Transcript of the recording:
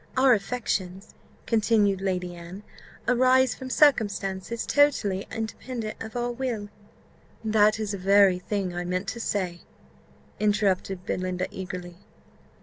Our affections," continued Lady Anne, "arise from circumstances totally independent of our will." "That is the very thing I meant to say," interrupted Belinda, eagerly.